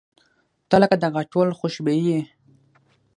• ته لکه د غاټول خوشبويي یې.